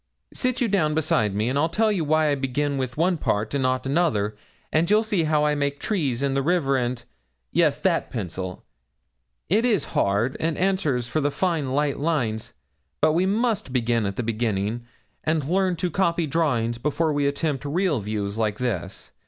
Sit you down beside me and I'll tell you why I begin with one part and not another, and you'll see how I make trees and the river, and yes, that pencil, it is hard and answers for the fine light lines; but we must begin at the beginning, and learn to copy drawings before we attempt real views like this.